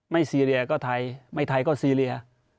ซีเรียก็ไทยไม่ไทยก็ซีเรีย